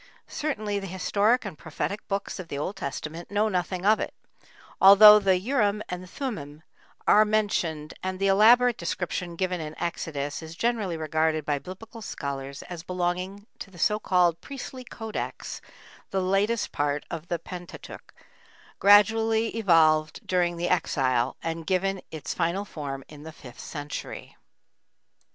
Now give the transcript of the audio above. Certainly, the historic and prophetic books of the Old Testament know nothing of it, although the Urim and Thummim are mentioned and the elaborate description given in Exodus is generally regarded by Biblical scholars as belonging to the so called "Priestly Codex," the latest part of the Pentateuch, gradually evolved during the Exile and given its final form in the fifth century B.